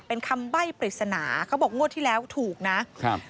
เป็นคำใบ้ปริศนาเขาบอกงวดที่แล้วถูกนะครับ